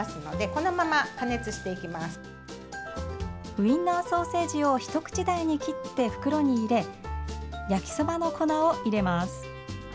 ウインナーソーセージを一口大に切って袋に入れ焼きそばの粉を入れます。